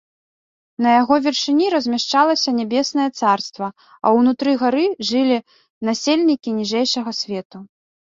На яго вяршыні размяшчалася нябеснае царства, а ўнутры гары жылі насельнікі ніжэйшага свету.